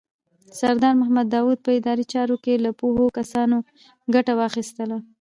سردار محمد داود په اداري چارو کې له پوهو کسانو ګټه واخیستله.